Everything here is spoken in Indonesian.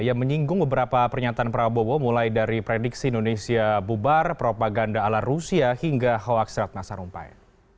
yang menyinggung beberapa pernyataan prabowo mulai dari prediksi indonesia bubar propaganda ala rusia hingga hoaksirat nasarumpai